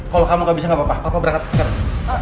kalo kamu gak bisa gak papa papa berangkat sekarang